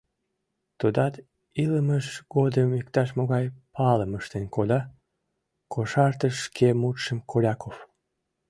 Тудат илымыж годым иктаж-могай палым ыштен кода, — кошартыш шке мутшым Коряков.